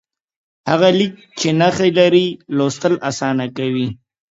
هغه لیک چې نښې لري، لوستل اسانه کوي.